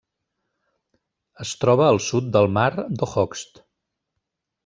Es troba al sud del mar d'Okhotsk.